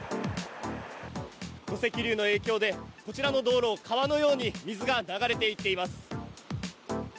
土石流の影響で、こちらの道路川のように水が流れていっています。